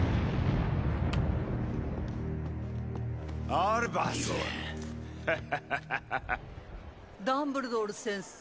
アルバスハハハイゴールダンブル・ドール先生